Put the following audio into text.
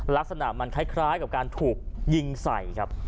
ลักษณะมันคล้ายกับการถูกยิงใส่ครับ